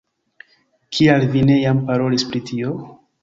Kial vi ne jam parolis pri tio?